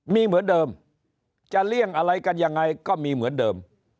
มีเหมือนเดิมจะเลี่ยงอะไรกันยังไงก็มีเหมือนเดิม